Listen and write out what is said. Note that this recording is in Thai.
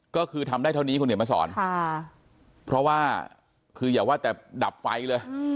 ก็คือทำได้เท่านี้คุณเห็นมาสอนเพราะว่าคืออย่าว่าแต่ดับไฟเลย